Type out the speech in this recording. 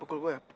pukul gue ya